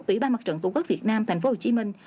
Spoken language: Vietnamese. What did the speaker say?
ủy ban mặt trận tổ quốc việt nam thành phố hồ chí minh